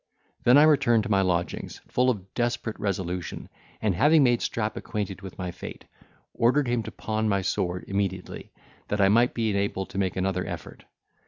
Then I returned to my lodgings full of desperate resolution, and having made Strap acquainted with my fate, ordered him to pawn my sword immediately, that I might be enabled to make another effort.